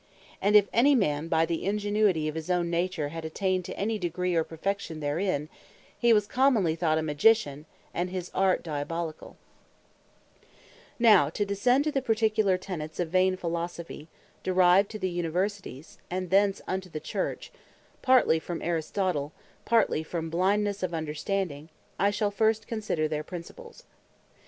And if any man by the ingenuity of his owne nature, had attained to any degree of perfection therein, hee was commonly thought a Magician, and his Art Diabolicall. Errors Brought Into Religion From Aristotles Metaphysiques Now to descend to the particular Tenets of Vain Philosophy, derived to the Universities, and thence into the Church, partly from Aristotle, partly from Blindnesse of understanding; I shall first consider their Principles.